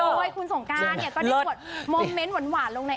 โดยคุณสงการก็ได้หมดโมมเม้นท์หวานลงใน